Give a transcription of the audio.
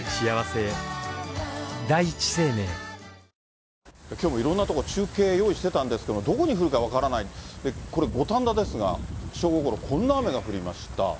ーきょうもいろんな所中継用意してたんですけど、どこに降るかは分からない、これ、五反田ですが、正午ごろ、こんな雨が降りました。